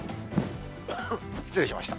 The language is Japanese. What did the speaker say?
失礼しました。